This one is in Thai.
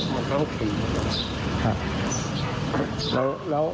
มันแท่เว่นกัน